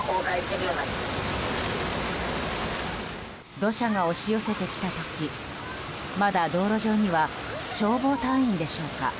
土砂が押し寄せてきた時まだ道路上には消防隊員でしょうか